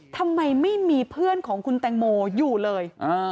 ทำไมไม่มีเพื่อนของคุณแตงโมอยู่เลย